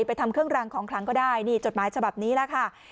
ทำเครื่องรางของคลังก็ได้นี่จดหมายฉบับนี้แหละค่ะ